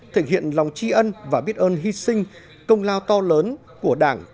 thể hiện lòng tri ân và biết ơn hy sinh công lao to lớn của đảng